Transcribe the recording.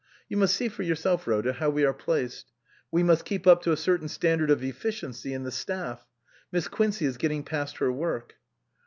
" You must see for yourself, Rhoda, how we are placed. We must keep up to a certain standard of efficiency in the staff. Miss Quin cey is getting past her work."